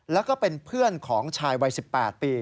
แล้วก็เป็นเพื่อนของชายวัย๑๘ปี